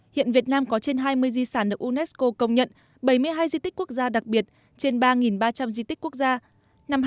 hiện việt nam có trên hai mươi di sản được unesco công nhận bảy mươi hai di tích quốc gia đặc biệt trên ba ba trăm linh di tích quốc gia